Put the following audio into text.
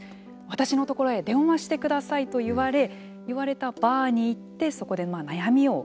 「わたしのところへ電話して下さい！」と言われ言われたバーに行ってそこで悩みを伝えるわけですよね。